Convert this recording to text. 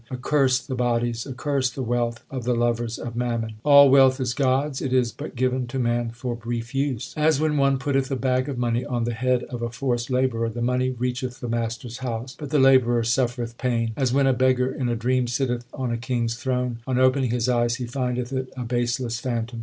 Accursed the bodies, accursed the wealth of the lovers of mammon. All wealth is God s ; it is but given to man for brief use : As when one putteth a bag of money on the head of a forced labourer ; The money reacheth the master s house, but the labourer suffereth pain. As when a beggar in a dream sitteth on a king s throne, On opening his eyes he findeth it a baseless phantom.